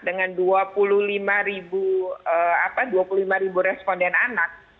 dengan dua puluh lima ribu responden anak